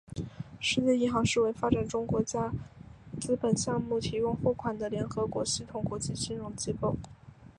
世界银行是为发展中国家资本项目提供贷款的联合国系统国际金融机构。